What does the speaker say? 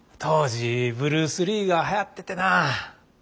当時ブルース・リーがはやっててなあ。